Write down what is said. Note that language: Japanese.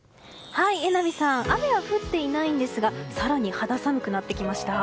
雨は降っていないんですが更に肌寒くなってきました。